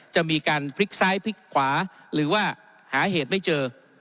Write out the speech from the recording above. จะมีการพลิกซ้ายพลิกขวาหรือว่าหาเหตุไม่เจอ